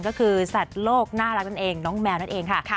ก็คือสัตว์โลกน่ารักนั่นเองน้องแมวนั่นเองค่ะ